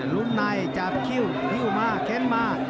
รุ้นในจับคิ้วหิ้วมาเค้นมา